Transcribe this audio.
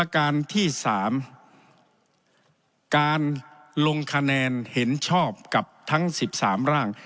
การที่๓การลงคะแนนเห็นชอบกับทั้ง๑๓ร่าง